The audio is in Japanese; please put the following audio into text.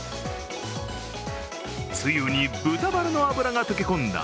つゆに豚バラの脂が溶け込んだ